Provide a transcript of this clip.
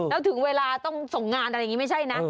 แล้วถึงเวลาต้องส่งงานอะไรอย่างนี้ไม่ใช่นะ